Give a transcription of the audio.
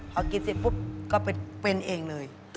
พอกินเสร็จปุ๊บก็เป็นเองเลย